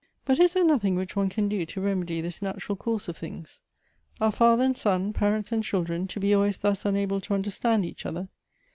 But is there nothing which one can do to remedy this natural course of things? Are father and son, parents and children, to be always thus unable to understand each other?